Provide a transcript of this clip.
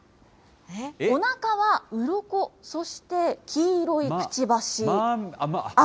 おなかはうろこ、そして黄色いくちばし。